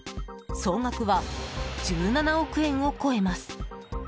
総額は１７億円を超えます。